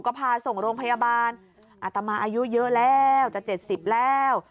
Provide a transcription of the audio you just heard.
ก็พาส่งโรงพยาบาลอาตมาอายุเยอะแล้วจะ๗๐แล้ว